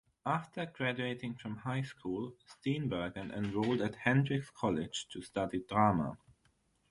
After graduating from high school, Steenburgen enrolled at Hendrix College to study drama.